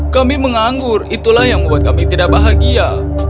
kami menganggur itulah yang membuat kami tidak bahagia